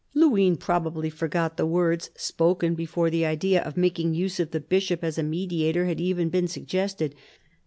Luynes probably forgot the words, spoken before the idea of making use of the Bishop as a mediator had even been suggested; but M.